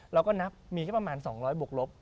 เราก็นับมีแค่ประมาณ๒๐๐บวกลบ